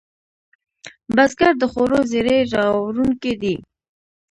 بزګر د خوړو زېری راوړونکی دی